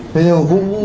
thế nhưng mà cũng